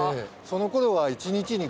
そのころは。